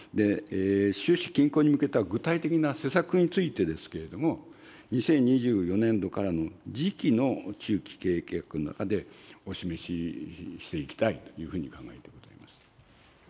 収支均衡に向けた具体的な施策についてですけれども、２０２４年度からの次期の中期経営計画の中でお示ししていきたいというふうに考えてございます。